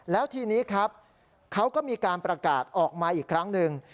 แล้วทีนี้ครับเขาก็มีการประกาศออกมาอีกครั้งหนึ่ง